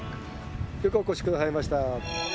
よくお越しくださいました。